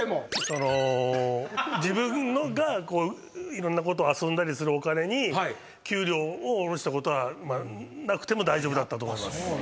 そのー自分がいろんなこと遊んだりするお金に給料を下ろしたことはなくても大丈夫だったと思います。